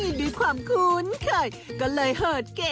เจ้าแจ๊ะริมเจ้า